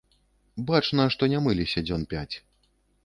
Бачна, што не мыліся дзён пяць.